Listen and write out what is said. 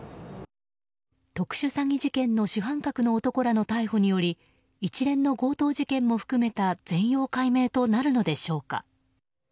特殊詐欺事件の主犯格の男らの逮捕により一連の強盗事件も含めた全容解明となるのでしょうか。